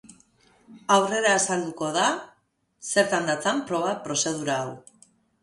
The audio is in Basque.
Aurrera azalduko da zertan datzan proba prozedura hau.